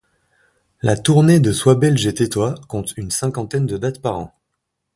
La tournée de sois belge et tais-toi compte une cinquantaine de dates par an.